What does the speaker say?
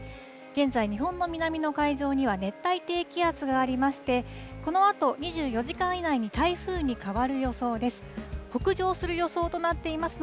現在、日本の南の海上には熱帯低気圧がありまして、このあと、２４時間以内に台風に変わる予想です。